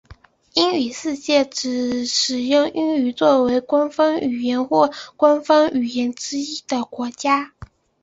英语世界指使用英语作为官方语言或官方语言之一的国家。